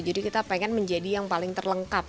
jadi kita pengen menjadi yang paling terlengkap